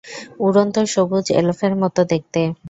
উড়ন্ত সবুজ এলফের মতো দেখতে।